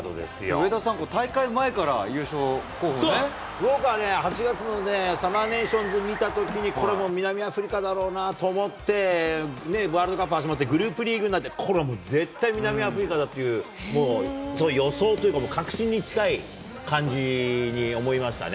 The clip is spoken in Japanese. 上田さん、僕はね、８月のサマーネーションズ見たときに、これもう、南アフリカだろうなと思って、ワールドカップ始まって、グループリーグになって、これはもう絶対、南アフリカだっていう、もうそういう予想というか、確信に近い感じに思いましたね。